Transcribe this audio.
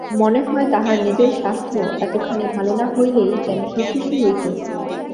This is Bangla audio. মনে হয় তাহার নিজের স্বাস্থ্য এতখানি ভালো না হইলেই যেন সে খুশি হইত।